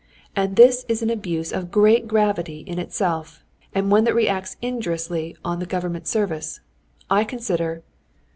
And this is an abuse of great gravity in itself, and one that reacts injuriously on the government service. I consider...."